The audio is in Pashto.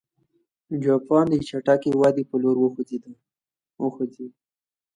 جاپان د چټکې ودې په لور وخوځېد.